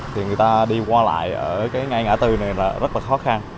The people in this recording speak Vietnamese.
thì người ta đi qua lại ở cái ngay ngã tư này là rất là khó khăn